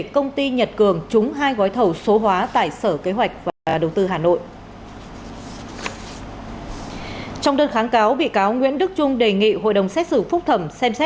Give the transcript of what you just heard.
công an nhân dân việt nam